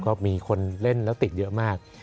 ก็มีคนเล่นแล้วติดเยอะมาก